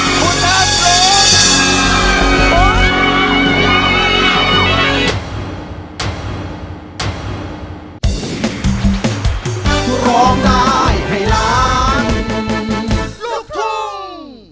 คุณทัศน์เตรียม